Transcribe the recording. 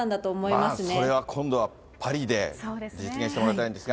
まあ、それは今度は、パリで実現してもらいたいんですが。